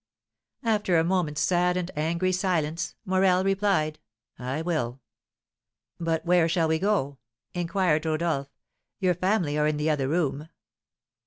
After a moment's sad and angry silence, Morel replied: "I will." "But where shall we go!" inquired Rodolph; "your family are in the other room."